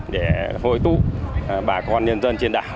để hội tụ bà con nhân dân trên đảo